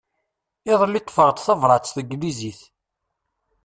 Iḍelli ṭṭfeɣ-d tabrat s tneglizit.